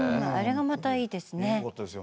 あれがまたいいですね。